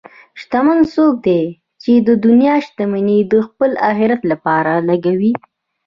شتمن څوک دی چې د دنیا شتمني د خپل آخرت لپاره لګوي.